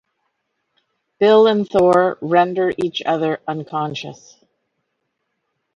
Bill and Thor render each other unconscious.